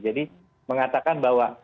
jadi mengatakan bahwa